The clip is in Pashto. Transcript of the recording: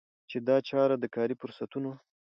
چي دا چاره د کاري فرصتونو